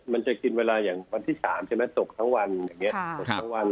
มันจะกินเวลาอย่างวันที่๓จะมันตกทั้งวันทั้งวัน